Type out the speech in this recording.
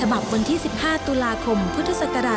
ฉบับวันที่๑๕ตุลาคมพุทธศักราช๒๕